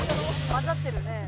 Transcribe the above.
交ざってるね。